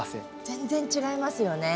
全然違いますよね。